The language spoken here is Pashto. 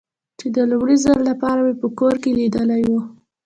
چې د لومړي ځل له پاره مې په کور کې لیدلی و.